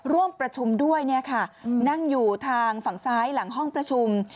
ร่วมประชุมด้วยนั่งอยู่ทางฝั่งซ้ายหลังห้องประชุม